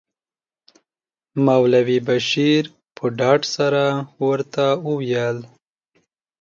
مولوي بشیر په ډاډ سره ورته وویل.